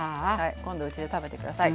今度うちで食べて下さい。